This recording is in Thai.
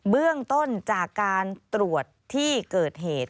เบื้องต้นจากการตรวจที่เกิดเหตุ